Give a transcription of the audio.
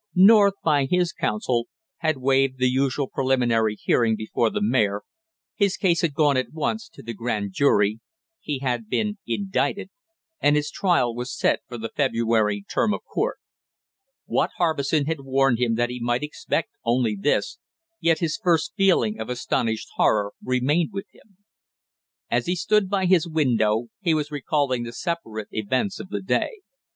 North, by his counsel, had waved the usual preliminary hearing before the mayor, his case had gone at once to the grand jury, he had been indicted and his trial was set for the February term of court. Watt Harbison had warned him that he might expect only this, yet his first feeling of astonished horror remained with him. As he stood by his window he was recalling the separate events of the day.